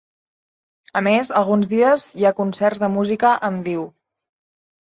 A més, alguns dies hi ha concerts de música en viu.